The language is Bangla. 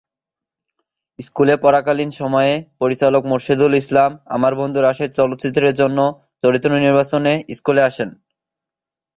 স্কুলে পড়াকালীন সময়ে পরিচালক মোরশেদুল ইসলাম আমার বন্ধু রাশেদ চলচ্চিত্রের জন্য চরিত্র নির্বাচনে স্কুলে আসেন।